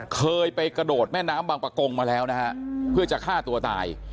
เคยไปกระโดดแม่น้ำบางประกงมาแล้วนะฮะเพื่อจะฆ่าตัวตาย